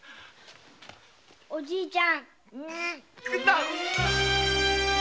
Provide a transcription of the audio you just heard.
おじいちゃん。